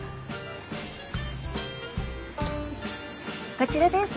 こちらです。